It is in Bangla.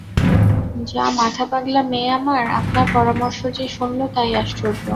যা মাথাপাগলা মেয়ে আমার, আপনার পরামর্শ যে শুনল তাই আশ্চর্য।